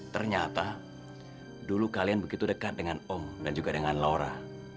ternyata dulu kalian begitu dekat dengan om dan juga dengan laura